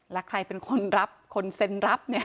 และใครเป็นคนรับคนเซ็นรับ